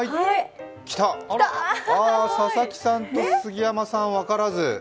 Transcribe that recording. あ、佐々木さんと杉山さん分からず。